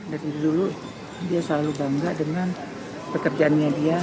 dari dulu dia selalu bangga dengan pekerjaannya dia